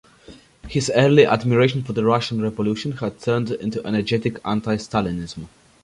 His early admiration for the Russian Revolution had turned into energetic anti-stalinism.